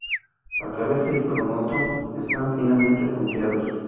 La cabeza y el pronoto están finamente punteados.